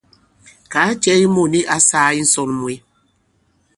Kàa cɛ ki mût nik ǎ sāā i ǹsɔn mwe.